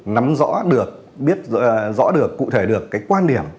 nắm rõ được biết rõ được cụ thể được cái quan điểm